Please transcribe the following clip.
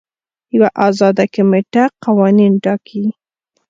یوه ازاده کمیټه قوانین ټاکي.